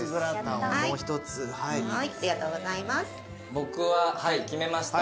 僕ははい決めました。